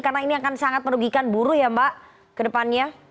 karena ini akan sangat merugikan buruh ya mbak kedepannya